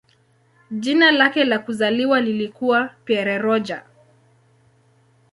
Jina lake la kuzaliwa lilikuwa "Pierre Roger".